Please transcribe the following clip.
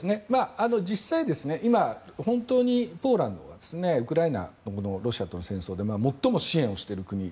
実際、今本当にポーランドはウクライナはロシアとの戦争で最も支援している国で。